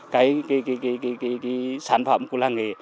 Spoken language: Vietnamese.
cái sản phẩm của làng nghề